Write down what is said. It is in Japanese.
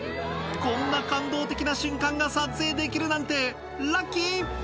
「こんな感動的な瞬間が撮影できるなんてラッキー！」